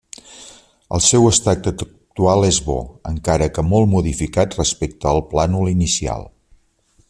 El seu estat actual és bo, encara que molt modificat respecte al plànol inicial.